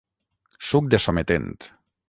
Suc de sometent.